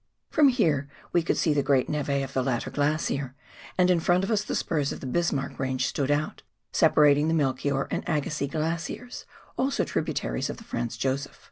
From here we could see the great neve of the latter glacier, and in front of us the spurs of the Bismarck range stood out, separating the Melchior and Agassiz Glaciers, also tributaries of the Franz Josef.